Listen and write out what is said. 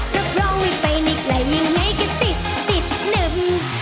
รับรองไม่ไปในไกลยังไงแค่ติดติดนึก